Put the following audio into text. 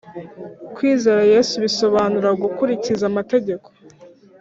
Kwizera Yesu bisobanura gukurikiza amategeko